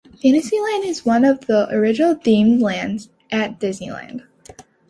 Fantasyland is one of the original themed lands at Disneyland.